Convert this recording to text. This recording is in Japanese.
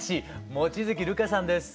望月流叶さんです。